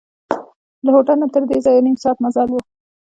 له هوټل نه تردې ځایه نیم ساعت مزل و.